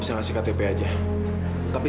disini sih gak ada apa apa